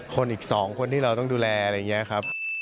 อีก๒คนที่เราต้องดูแลอะไรอย่างนี้ครับ